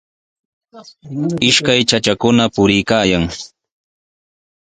Ishkay chachakuna puriykaayan.